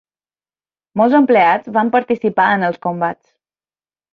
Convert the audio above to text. Molts empleats van participar en els combats.